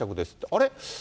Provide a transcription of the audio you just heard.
あれ？